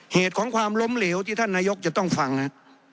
เหตุของความล้มเหลวที่ท่านนายกจะต้องฟัง